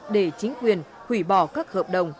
để chính quyền hủy bỏ các hợp đồng